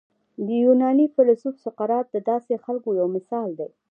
یوناني فیلسوف سقراط د داسې خلکو یو مثال دی.